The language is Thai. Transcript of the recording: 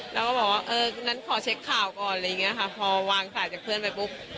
เราก็บอกว่านั้นขอเช็คข่าวก่อนพอวางสายจากเพื่อนไปปุ๊บ